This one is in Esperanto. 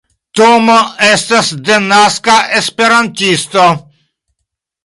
Tomo estas denaska Esperantisto.